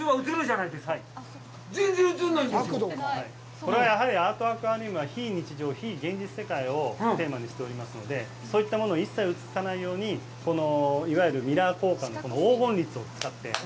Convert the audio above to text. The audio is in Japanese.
これは、やはりアートアクアリウムは、非日常、非現実で作っておりますので、そういったものを一切映さないように、いわゆるミラー効果の黄金律を使って。